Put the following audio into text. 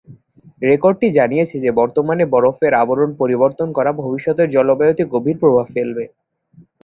রেকর্ডটি জানিয়েছে যে বর্তমান বরফের আবরণ পরিবর্তন করা ভবিষ্যতের জলবায়ুতে গভীর প্রভাব ফেলবে।